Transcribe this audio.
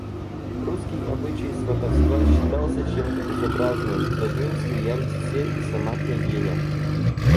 Русский обычай сватовства считался чем-то безобразным, над ним смеялись все и сама княгиня.